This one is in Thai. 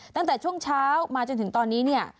ตั้งแต่ช่วงเช้ามาจนถึงตอนนี้เนี่ย